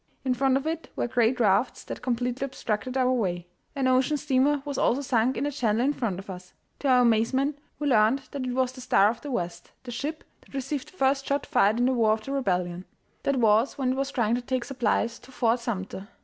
In front of it were great rafts that completely obstructed our way. An ocean steamer was also sunk in the channel in front of us. To our amazement we learned that it was the Star of the West, the ship that received the first shot fired in the war of the Rebellion. That was when it was trying to take supplies to Fort Sumter.